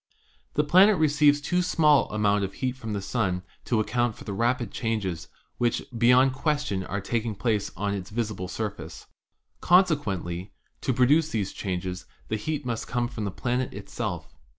The planet receives too small an amount of heat from the Sun to account for the rapid changes which beyond question are taking place on its visible surface. Conse quently, to produce these changes the heat must come from the planet itself.